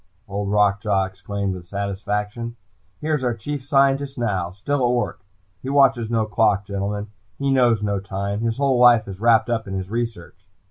Old Rock Jaw exclaimed with satisfaction. "Here is our chief scientist now. Still at work. He watches no clock, gentlemen. He knows no time. His whole life is wrapped up in his research!"